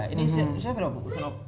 ini saya berapa